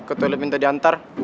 ke toilet minta diantar